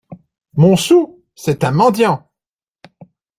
Mon sou ? c’est un mendiant !